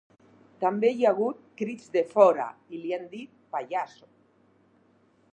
També hi ha hagut crits de ‘fora’ i li han dit ‘pallasso’.